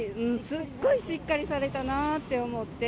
すっごいしっかりされたなって思って。